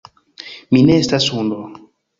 Mi ne estas hundo